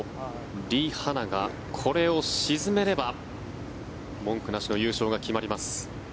リ・ハナがこれを沈めれば文句なしの優勝が決まります。